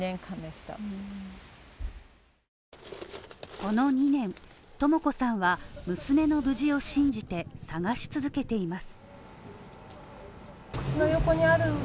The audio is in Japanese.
この２年、とも子さんは、娘の無事を信じて探し続けています。